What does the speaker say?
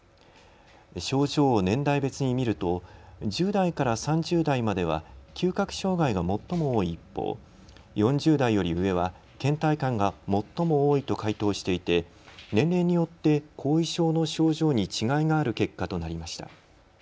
症状を年代別に見ると１０代から３０代までは嗅覚障害が最も多い一方、４０代より上はけん怠感が最も多いと回答していて年齢に、後遺症の症状に違いがある結果となりました。